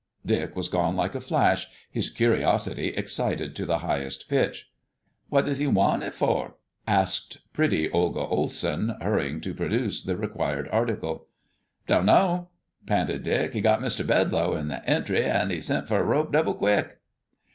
Dick was gone like a flash, his curiosity excited to the highest pitch. "What does he want it for?" asked pretty Olga Olsen, hurrying to produce the required article. "Don't know," panted Dick. "He's got Mr. Bedlow in the entry an' he sent for a rope, double quick!"